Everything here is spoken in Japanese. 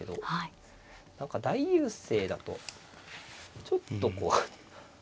何か大優勢だとちょっと。